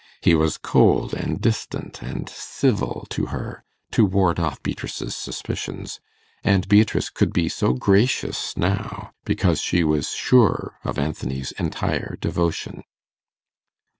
He was cold and distant and civil to her, to ward off Beatrice's suspicions, and Beatrice could be so gracious now, because she was sure of Anthony's entire devotion.